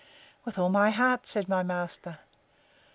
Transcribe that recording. With all my heart, said my master.